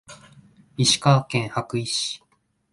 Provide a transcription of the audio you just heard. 石川県羽咋市